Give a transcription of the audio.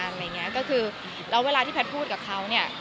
อะไรอย่างเงี้ยก็คือแล้วเวลาที่แพทย์พูดกับเขาเนี่ย